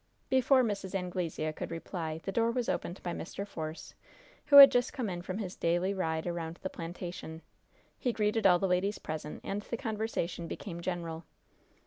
Before Mrs. Anglesea could reply, the door was opened by Mr. Force, who had just come in from his daily ride around his plantation. He greeted all the ladies present, and the conversation became general.